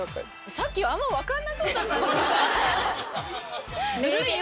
さっきあんまわかんなそうだったのにさズルいよ。